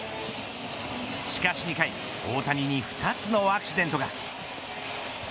しかし２回大谷に２つのアクセントが。